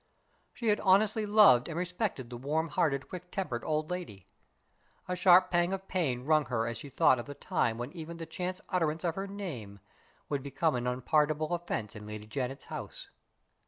She had honestly loved and respected the warm hearted, quick tempered old lady. A sharp pang of pain wrung her as she thought of the time when even the chance utterance of her name would become an unpardonable offense in Lady Janet's house.